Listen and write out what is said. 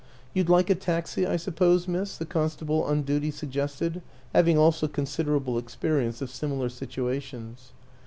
" You'd like a taxi, I suppose, miss?" the con stable on duty suggested having also consider able experience of similar situations.